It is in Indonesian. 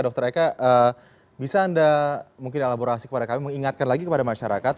dr eka bisa anda mungkin elaborasi kepada kami mengingatkan lagi kepada masyarakat